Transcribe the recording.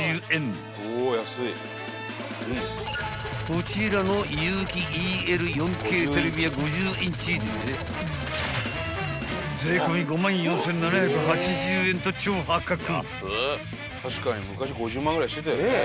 ［こちらの有機ＥＬ４Ｋテレビは５０インチで税込み５万４，７８０円と超破格］